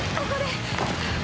ここで。